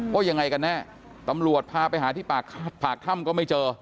ว่ายังไงกันแน่ตำรวจพาไปหาที่ปากถ้ำก็ไม่เจอ